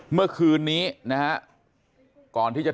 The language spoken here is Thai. เมื่อคืนนี้นะครับ